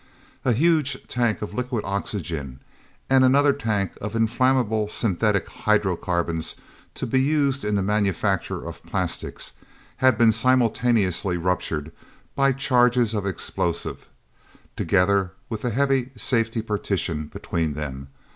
A huge tank of liquid oxygen, and another tank of inflammable synthetic hydrocarbons to be used in the manufacture of plastics, had been simultaneously ruptured by charges of explosive, together with the heavy, safety partition between them.